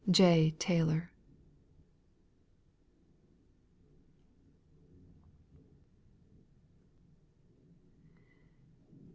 J. TAYLOR. 63.